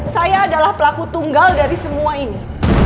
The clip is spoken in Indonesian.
saya adalah pelaku tunggal dari semua ini